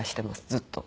ずっと。